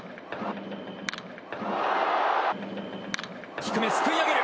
低め、すくい上げる。